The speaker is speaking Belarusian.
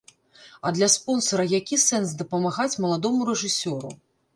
А для спонсара які сэнс дапамагаць маладому рэжысёру?